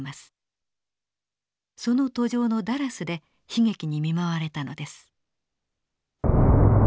その途上のダラスで悲劇に見舞われたのです。